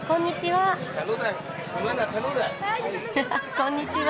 こんにちは。